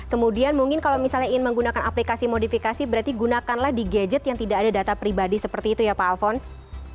kemudian mungkin kalau misalnya ingin menggunakan aplikasi modifikasi berarti gunakanlah di gadget yang tidak ada data pribadi seperti itu ya pak alfons